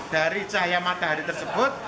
dari cahaya matahari tersebut